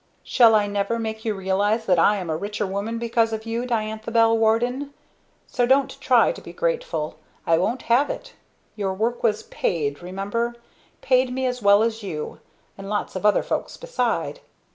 Shall I never make you realize that I am a richer woman because of you, Diantha Bell Warden! So don't try to be grateful I won't have it! Your work has paid remember paid me as well as you; and lots of other folks beside.